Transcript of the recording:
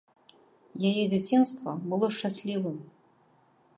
Яе дзяцінства было шчаслівым.